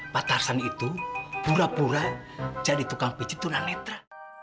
pak tarzan itu pura pura jadi tukang piciturang netra